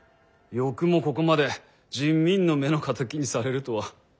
よくもここまで人民の目の敵にされるとは。